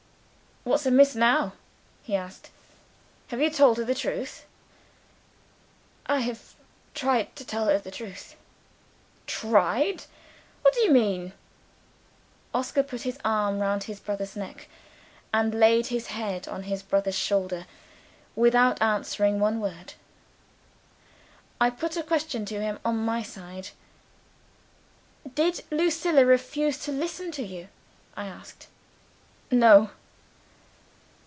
"What's amiss now?" he asked. "Have you told her the truth?" "I have tried to tell her the truth." "Tried? What do you mean?" Oscar put his arm round his brother's neck, and laid his head on his brother's shoulder, without answering one word. I put a question to him on my side. "Did Lucilla refuse to listen to you?" I asked. "No."